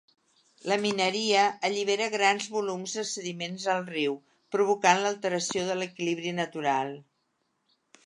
La mineria allibera grans volums de sediment al riu, provocant l'alteració de l'equilibri natural.